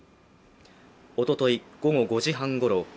おととい午後５時半ごろ